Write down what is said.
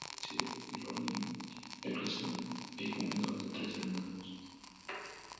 Hijo de Elsie y Ronnie Eccleston e hijo menor de tres hermanos.